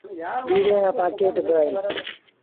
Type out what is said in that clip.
ٻيٚڙيآن رآ پآڪيٽ با اهيݩ۔